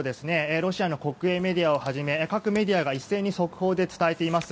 ロシアの国営メディアをはじめ各メディアが一斉に速報で伝えています。